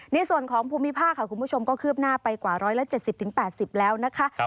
ในส่วนของภูมิภาคค่ะคุณผู้ชมก็คืบหน้าไปกว่า๑๗๐๘๐แล้วนะคะ